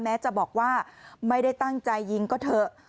แม้จะบอกว่าไม่ได้ตั้งใจยิงก็เถอะ